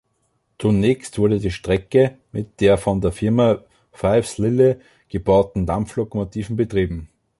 Zunächst wurde die Strecke mit von der Firma Fives-Lille gebauten Dampflokomotiven betrieben.